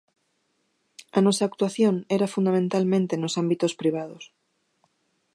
A nosa actuación era fundamentalmente nos ámbitos privados.